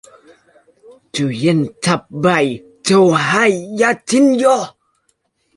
Tuyển tập bài thơ hay về Tình Yêu